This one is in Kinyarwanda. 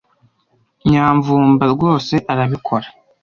Nyamvumba rwose arabikora.